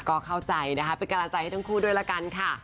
ก็เข้าใจนะคะเป็นกำลังใจให้ทั้งคู่ด้วยละกันค่ะ